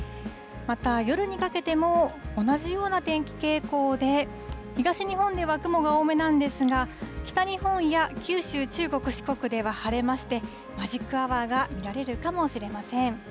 また、夜にかけても、同じような天気傾向で、東日本では雲が多めなんですが、北日本や九州、中国、四国では晴れまして、マジックアワーが見られるかもしれません。